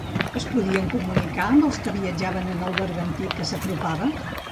Es podien comunicar amb els que viatjaven en el bergantí que s'apropava?